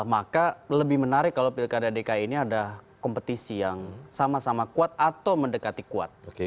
maka lebih menarik kalau pilkada dki ini ada kompetisi yang sama sama kuat atau mendekati kuat